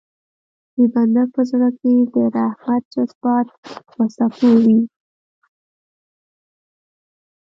د بنده په زړه کې د رحمت جذبات په څپو وي.